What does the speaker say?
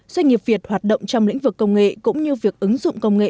doanh nghiệp việt hoạt động trong lĩnh vực công nghệ cũng như việc ứng dụng công nghệ